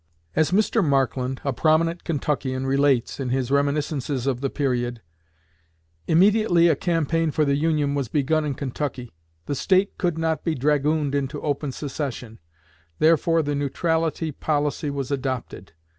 As Mr. Markland, a prominent Kentuckian, relates, in his reminiscences of the period: "Immediately a campaign for the Union was begun in Kentucky. The State could not be dragooned into open secession, therefore the neutrality policy was adopted.